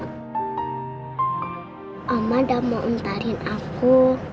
makasih ya oma oma baik banget oma udah mau ntarin aku